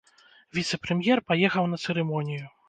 Віцэ-прэм'ер паехаў на цырымонію.